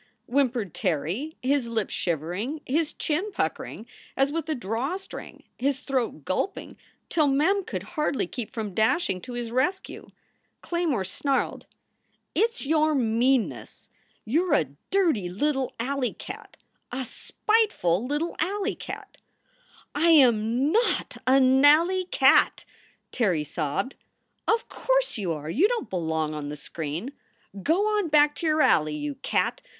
whimpered Terry, his lips shivering, his chin puckering as with a drawstring, his throat gulping till Mem could hardly keep from dashing to his rescue. Claymore snarled: "It s your meanness. You re a dirty little alley cat, a spiteful little alley cat." 18 266 SOULS FOR SALE "I am no ot a nalley ca at!" Terry sobbed. " Of course you are. You don t belong on the screen. Go on back to your alley, you cat.